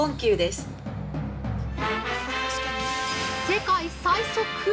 ◆世界最速！？